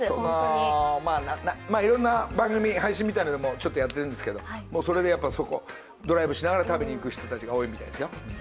いろんな番組、配信みたいなのもちょっとやってるんですけどそれでそこドライブしながら食べに行く人たちが多いみたいですよ。